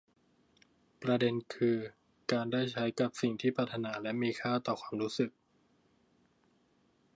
ประเด็นคือการได้ใช้กับสิ่งที่ปรารถนาและมีค่าต่อความรู้สึก